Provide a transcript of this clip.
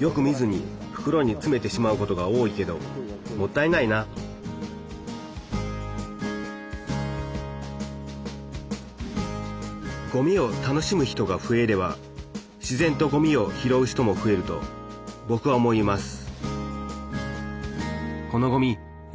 よく見ずにふくろにつめてしまうことが多いけどもったいないなごみを楽しむ人が増えれば自然とごみを拾う人も増えるとぼくは思います。